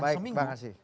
baik terima kasih